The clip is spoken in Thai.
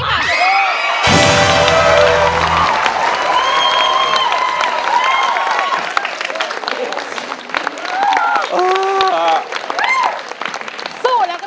ไม่ใช้ค่ะ